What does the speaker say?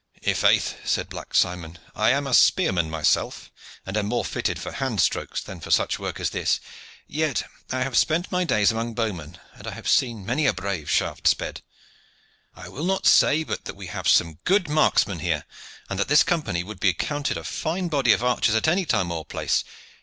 "I' faith," said Black Simon, "I am a spearman myself, and am more fitted for hand strokes than for such work as this. Yet I have spent my days among bowmen, and I have seen many a brave shaft sped. I will not say but that we have some good marksmen here, and that this Company would be accounted a fine body of archers at any time or place.